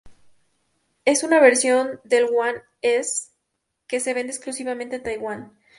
Es una versión del One S que se vende exclusivamente en Taiwán.